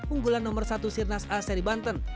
unggulan nomor satu sirnas a seri banten